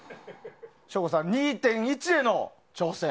省吾さん、２．１への挑戦。